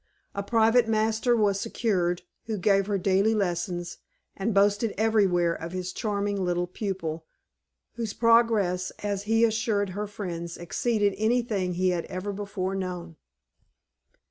A private master was secured, who gave her daily lessons, and boasted everywhere of his charming little pupil, whose progress, as he assured her friends, exceeded anything he had ever before known.